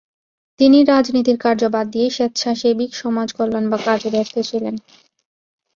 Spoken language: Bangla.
তিনি রাজনীতির কার্য বাদ দিয়ে স্বেচ্ছাসেবী সমাজ কল্যাণ কাজে ব্যস্ত ছিলেন।